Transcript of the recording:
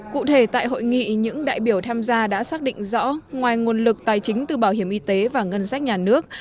cụ thể tại hội nghị những đại biểu tham gia đã xác định rõ ngoài nguồn lực tài chính từ bảo hiểm y tế và ngân sách nhà nước